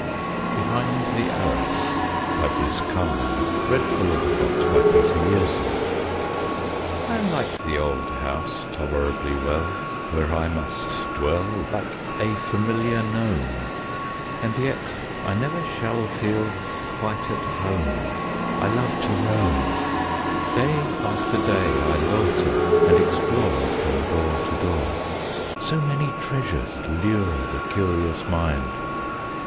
come eddying forth." [Illustration: Behind the Arras] Behind the Arras I like the old house tolerably well, Where I must dwell Like a familiar gnome; And yet I never shall feel quite at home: I love to roam. Day after day I loiter and explore From door to door; So many treasures lure The curious mind.